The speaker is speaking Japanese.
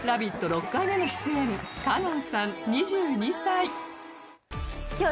６回目の出演、香音さん２２歳。